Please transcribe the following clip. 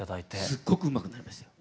すっごくうまくなりましたよ。